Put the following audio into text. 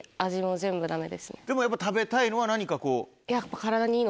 でもやっぱ食べたいのは何かこう。